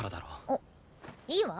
あっいいわ。